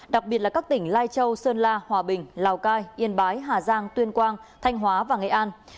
đặc biệt là các tỉnh lai châu sơn la hòa bình lào cai yên bái hà giang tuyên quang thanh hóa và nghệ an